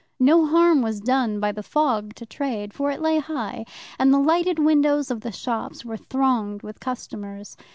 No harm was done by the fog to trade, for it lay high, and the lighted windows of the shops were thronged with customers.